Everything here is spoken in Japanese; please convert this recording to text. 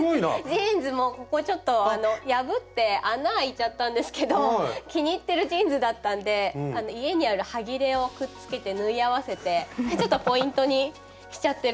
ジーンズもここちょっと破って穴開いちゃったんですけど気に入ってるジーンズだったんで家にあるはぎれをくっつけて縫い合わせてちょっとポイントにしちゃってるんです。